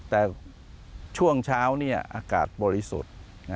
แต่ช่วงเช้าอากาศบริสุทธิ์